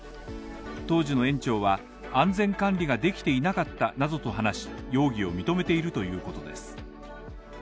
当時の園長は、安全管理ができていなかったなどと話し、容疑を認めているということです。